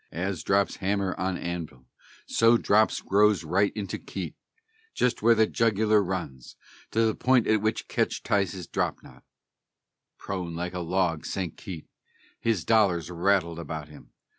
As drops hammer on anvil, so dropped Grow's right into Keitt Just where the jugular runs to the point at which Ketch ties his drop knot; Prone like a log sank Keitt, his dollars rattled about him.